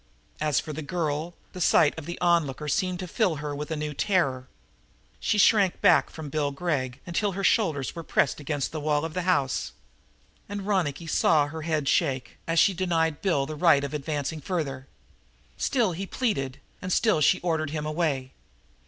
As for the girl, the sight of that onlooker seemed to fill her with a new terror. She shrank back from Bill Gregg until her shoulders were almost pressed against the wall of the house. And Ronicky saw her head shake, as she denied Bill the right of advancing farther. Still he pleaded, and still she ordered him away.